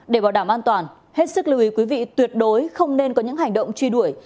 để bảo đảm an toàn hết sức lưu ý quý vị tuyệt đối không nên có những hành động truy đuổi